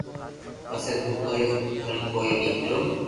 پسي بو ڪوئي ھل ڪوئي نوڪرو